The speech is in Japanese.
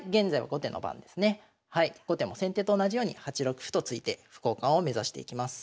後手も先手と同じように８六歩と突いて歩交換を目指していきます。